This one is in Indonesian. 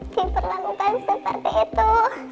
diperlakukan seperti itu